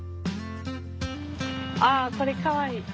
あっこれかわいい。